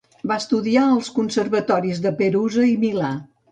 Va estudiar als conservatoris de Perusa i Milà.